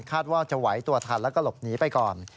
ว่าจะไหวตัวทันแล้วก็หลบหนีไปก่อน